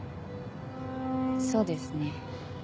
そうですね。